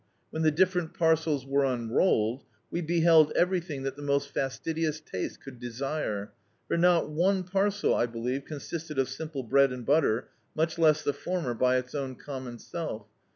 When the different parcels were unrolled, we beheld everything that the most fastidious taste could desire, for not one parcel, I believe, consisted of simple bread and butter, much less the former by its own common self.